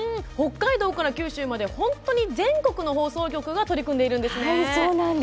北海道から九州まで本当に全国の放送局が取り組んでいるんですね。